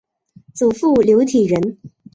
祖父刘体仁。